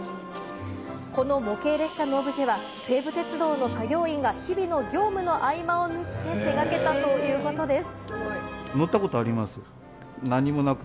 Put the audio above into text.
この模型列車のオブジェは、西武鉄道の作業員が日々の業務の合間を縫って、手がけたということです。